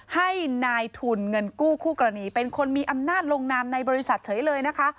ให้นายทุนเงินกู้คู่กรณีเป็นคนมีอำนาจลงนามในบริษัทเฉยเลยนะคะ